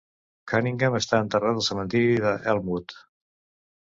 Cunningham està enterrat al cementiri d'Elmwood.